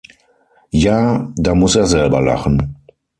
Ja, da muss er selber lachen.